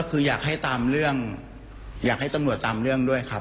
คืออยากให้ตามเรื่องอยากให้ตำรวจตามเรื่องด้วยครับ